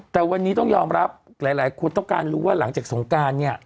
แต่วันนี้ต้องยอมรับหลายคนต้องการรู้ว่าหลังจากสงการเนี่ย